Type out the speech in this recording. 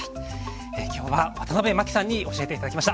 今日はワタナベマキさんに教えて頂きました。